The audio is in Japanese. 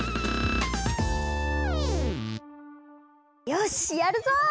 よしやるぞ！